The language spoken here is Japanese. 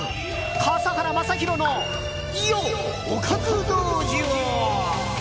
笠原将弘のおかず道場。